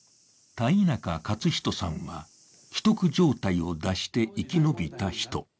田井中克人さんは危篤状態を脱して生き延びた人。